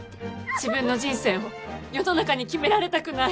自分の人生を世の中に決められたくない。